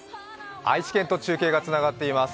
愛知県と中継がつながっています。